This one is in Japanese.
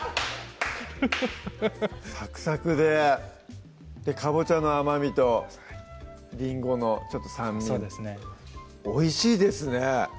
サクサクでかぼちゃの甘みとりんごのちょっと酸味おいしいですね